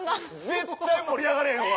絶対盛り上がれへんわ。